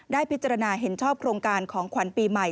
พิจารณาเห็นชอบโครงการของขวัญปีใหม่